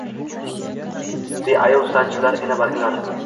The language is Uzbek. Beayov sanchilar igna barglari